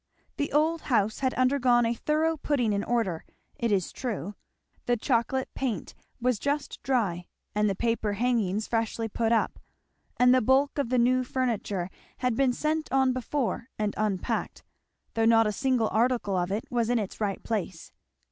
The old house had undergone a thorough putting in order, it is true; the chocolate paint was just dry, and the paper hangings freshly put up; and the bulk of the new furniture had been sent on before and unpacked, though not a single article of it was in its right place.